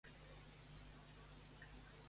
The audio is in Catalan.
Em podries posar en pausa el reproductor de música?